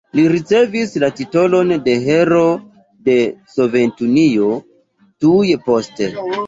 Li ricevis la titolon de Heroo de Sovetunio tuj poste.